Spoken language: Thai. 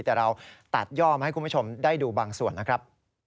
แต่เราตัดย่อมาให้คุณผู้ชมได้ดูบางส่วนนะครับ